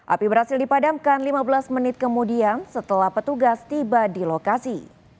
api berhasil dipadamkan lima belas menit kemudian setelah petugas tiba di lokasi